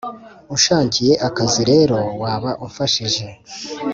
unshakiye akazi rero waba umfashije."